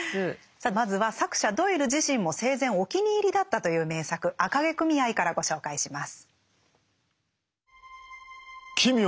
さあではまずは作者ドイル自身も生前お気に入りだったという名作「赤毛組合」からご紹介します。